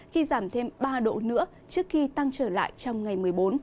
khi giảm thêm ba độ nữa trước khi tăng trở lại trong ngày một mươi bốn